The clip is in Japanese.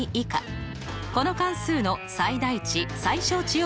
この関数の最大値・最小値を求めなさい。